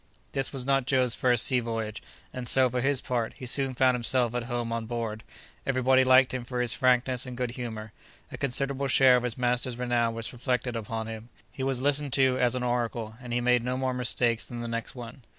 This was not Joe's first sea voyage, and so, for his part, he soon found himself at home on board; every body liked him for his frankness and good humor. A considerable share of his master's renown was reflected upon him. He was listened to as an oracle, and he made no more mistakes than the next one.